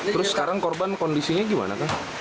terus sekarang korban kondisinya gimana kang